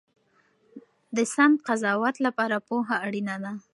د سم قضاوت لپاره پوهه اړینه ده.